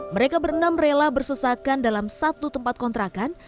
mereka berenam rela bersesakan dalam satu tempat kontrakan